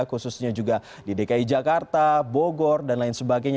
khususnya juga di dki jakarta bogor dan lain sebagainya